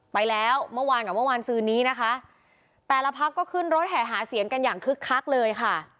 ไปแล้วเมื่อวานกับเมื่อวานซื้อนี้นะคะแต่ละพักก็ขึ้นรถแห่หาเสียงกันอย่างคึกคักเลยค่ะ